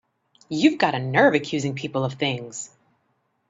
You've got a nerve accusing people of things!